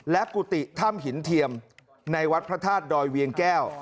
และกุฏิถ้ำหินเทียมในวัดพระธาตุดอยเวียงแก้ว